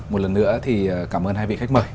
một lần nữa thì cảm ơn hai vị khách mời